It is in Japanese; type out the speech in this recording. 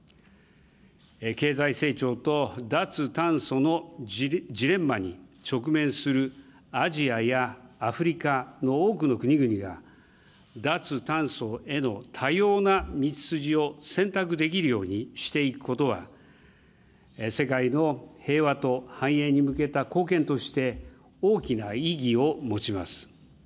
経済成長と脱炭素のジレンマに直面する、アジアやアフリカの多くの国々が、脱炭素への多様な道筋を選択できるようにしていくことは、世界の平和と繁栄に向けた貢献として、大きな意義を持ちます。